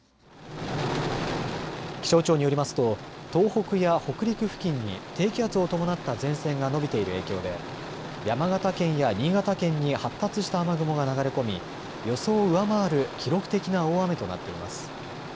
気象庁によりますと東北や北陸付近に低気圧を伴った前線が延びている影響で山形県や新潟県に発達した雨雲が流れ込み予想を上回る記録的な大雨となっています。